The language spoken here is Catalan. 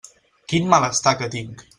Quin malestar que tinc!